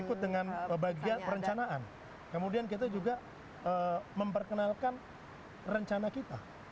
ikut dengan bagian perencanaan kemudian kita juga memperkenalkan rencana kita